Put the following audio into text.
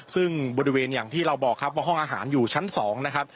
ซึ่งบริเวณอย่างที่เราบอกครับว่าห้องอาหารอยู่ชั้น๒นะครับ